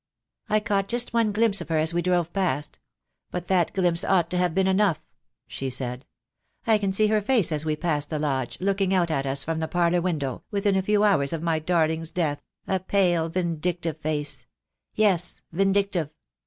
"I caught just one glimpse of her as we drove past; but that glimpse ought to have been enough," she said, 278 THE DAY WILL COME. "I can see her face as we passed the lodge, looking out at us from the parlour window, within a few hours of my darling's death — a pale vindictive face — yes, vin dictive.